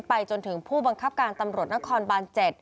จนถึงผู้บังคับการตำรวจนครบาน๗